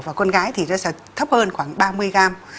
và con gái thì nó sẽ thấp hơn khoảng ba mươi gram